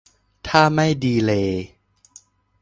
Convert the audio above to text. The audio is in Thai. ถ้าไม่ดีเลย์